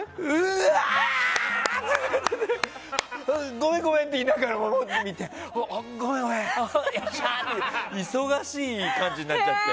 ごめん、ごめんって言いながらも続きを見て、ごめん、ごめんでもよっしゃー！って忙しい感じになっちゃって。